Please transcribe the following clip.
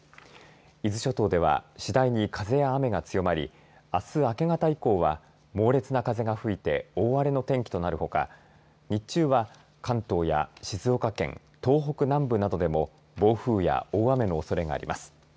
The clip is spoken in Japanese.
伊豆諸島ではしだいに風や雨が強まりあす明け方以降は猛烈な風が吹いて大荒れの天気となるほか日中は関東や静岡県東北南部などでも暴風や大雨のおそれがあります。